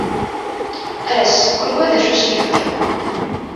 Ass kul wa d acu i s-yefka.